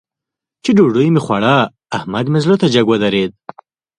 چې ډوډۍ مې خوړه؛ احمد مې زړه ته جګ ودرېد.